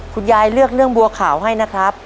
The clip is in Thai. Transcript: เลือกเรื่องบัวขาวให้นะครับ